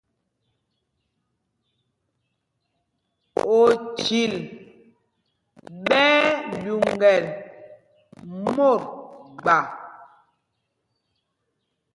Ochil ɓɛ́ ɛ́ lyuŋgɛl mǒt gba.